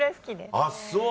あっそう！